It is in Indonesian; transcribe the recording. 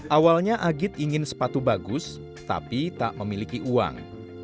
awalnya agit ingin sepatu bagus tapi tak memiliki uang